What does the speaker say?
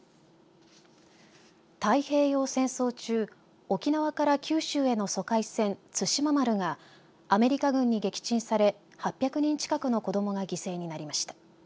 太平洋戦争中、沖縄から九州への疎開船、対馬丸がアメリカ軍に撃沈され８００人近くの子どもが犠牲になりました。